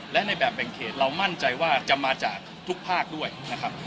และในแบบแบ่งเขตเรามั่นใจว่าจะมาจากทุกภาคด้วยนะครับ